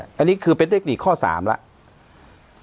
อันนี้คือเป็นเทคนิคข้อ๓แล้ว